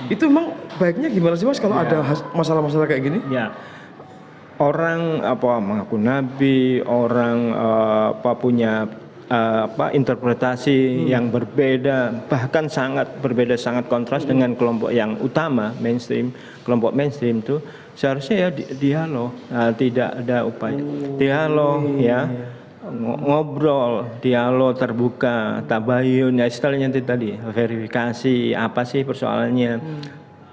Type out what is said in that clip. itu mau baiknya gimana sih mas kalau ada masalah masalah kayak gini ya orang apa mengaku nabi orang apa punya apa interpretasi yang berbeda bahkan sangat berbeda sangat kontras dengan kelompok yang utama mainstream kelompok mainstream itu seharusnya ya dialog tidak ada upaya dialog ya ngobrol dialog terbuka tabayun ya setelah yang tadi verifikasi apa sih persoalan yang terjadi